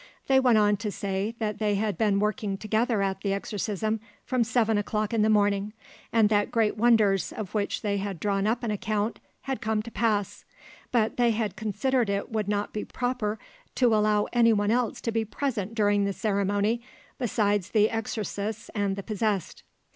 They went on to say that they had been working together at the exorcism from seven o'clock in the morning, and that great wonders, of which they had drawn up an account, had come to pass; but they had considered it would not be proper to allow any one else to be present during the ceremony besides the exorcists and the possessed.